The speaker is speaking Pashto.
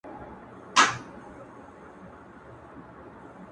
که قتل غواړي ـ نه یې غواړمه په مخه یې ښه ـ